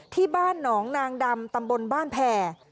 ที่บ้านหนองนางดำตำบลบ้านแผ่